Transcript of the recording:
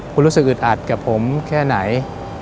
คุณรู้สึกอึดอัดกับผมแค่ไหน